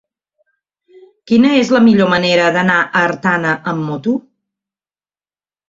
Quina és la millor manera d'anar a Artana amb moto?